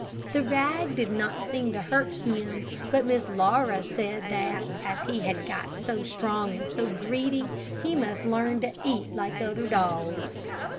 The rag did not seem to hurt him; but Miss Laura said that, as he had got so strong and so greedy, he must learn to eat like other dogs.